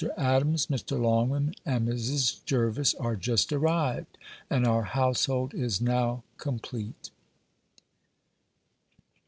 Adams, Mr. Longman, and Mrs. Jervis, are just arrived; and our household is now complete.